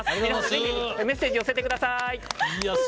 メッセージ、寄せてください。